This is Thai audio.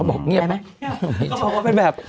เขาบอกเงียบแบบ